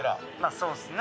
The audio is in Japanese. そうっすね